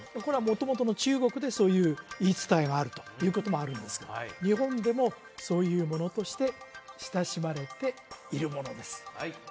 これは元々の中国でそういう言い伝えがあるということもあるんですが日本でもそういうものとして親しまれているものです